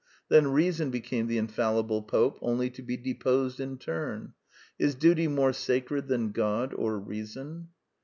Then Reason became the Infallible Pope, only to be deposed in turn. Is Duty more sacred than God or Reason?